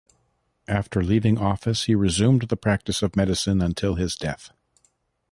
After leaving office, he resumed the practice of medicine until his death.